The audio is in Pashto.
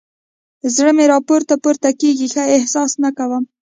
زړه مې راپورته پورته کېږي؛ ښه احساس نه کوم.